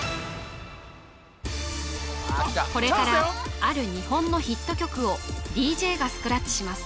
これからある日本のヒット曲をＤＪがスクラッチします